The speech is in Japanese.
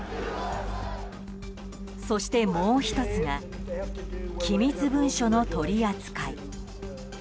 そしてもう１つが機密文書の取り扱い。